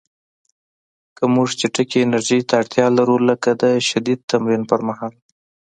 که موږ چټکې انرژۍ ته اړتیا لرو، لکه د شدید تمرین پر مهال